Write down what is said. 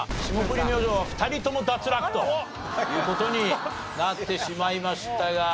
霜降り明星２人とも脱落という事になってしまいましたが。